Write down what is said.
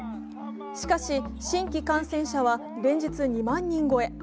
しかし、新規感染者は連日２万人超え。